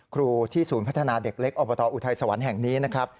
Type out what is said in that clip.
ครูที่ศูนย์พัฒนาเด็กเล็กอบตอุทัยสวรรค์แห่งนี้นะครับ